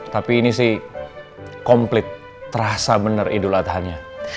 tapi ini sih komplit terasa bener idul adhanya